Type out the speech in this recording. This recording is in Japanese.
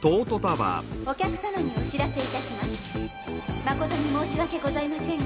お客様にお知らせいたします。